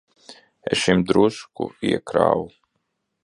Es šim drusku iekrāvu.